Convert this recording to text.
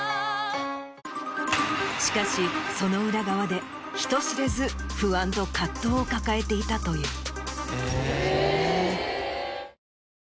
しかしその裏側で人知れず不安と葛藤を抱えていたという。